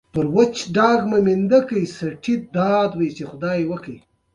د غرمې ډوډوۍ خوړلو څخه ورورسته رود ته د لمبو لپاره راتلل.